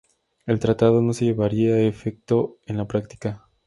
El tratado no se llevaría a efecto en la práctica.